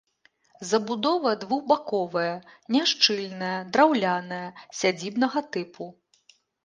Забудова двухбаковая, няшчыльная, драўляная, сядзібнага тыпу.